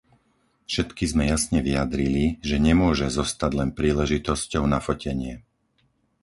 Všetky sme jasne vyjadrili, že nemôže zostať len príležitosťou na fotenie.